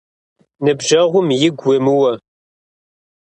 Ныбжъэгъум игу уемыуэ.